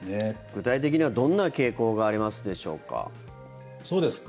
具体的にはどんな傾向がありますでしょうか。